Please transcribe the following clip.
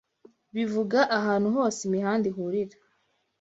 bivuga ahantu hose imihanda ihurira